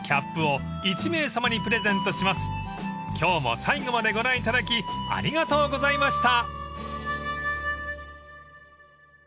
［今日も最後までご覧いただきありがとうございました］